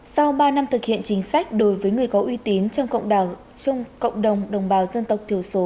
sau ba năm thực hiện chính sách đối với người có uy tín trong cộng đồng đồng bào dân tộc thiểu số